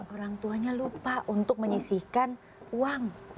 orang tuanya lupa untuk menyisihkan uang